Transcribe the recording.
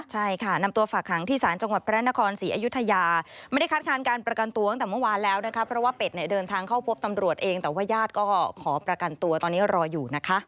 ใช่ค่ะนำตัวฝากหางที่ศาลจังหวัดพระนครศรีอยุธยาไม่ได้คัดค้านการประกันตัวตั้งแต่เมื่อวานแล้วนะคะเพราะว่าเป็ดเนี่ยเดินทางเข้าพบตำรวจเองแต่ว่าญาติก็ขอประกันตัวตอนนี้รออยู่นะคะ